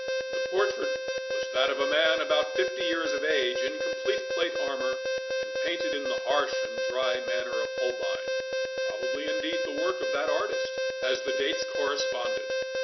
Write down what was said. The portrait was that of a man about fifty years of age, in complete plate armour, and painted in the harsh and dry manner of Holbein—probably, indeed, the work of that artist, as the dates corresponded.